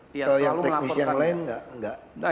kalau yang teknis yang lain enggak